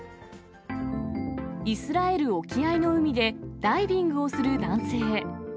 イスラエル沖合の海で、ダイビングをする男性。